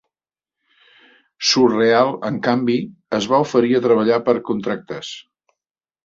Surreal, en canvi, es va oferir a treballar per contractes.